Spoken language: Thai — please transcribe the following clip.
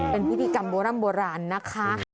เป็นพิธีกรรมโบร่ำโบราณนะคะ